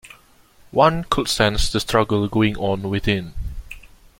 One could sense the struggle going on within.